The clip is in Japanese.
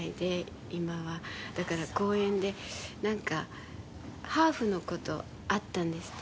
だから公園でなんかハーフの子と会ったんですって。